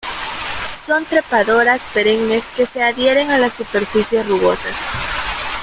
Son trepadoras perennes, que se adhieren a las superficies rugosas.